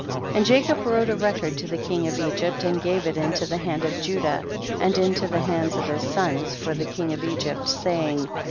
28. And Jacob wrote a record to the king of Egypt and gave it into the hand of Judah and into the hands of his sons for the king of Egypt, saying, 29.